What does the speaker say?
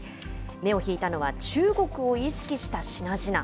目を引いたのは中国を意識した品々。